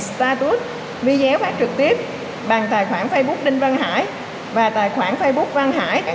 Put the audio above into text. startube vi giáo phát trực tiếp bằng tài khoản facebook đinh văn hải và tài khoản facebook văn hải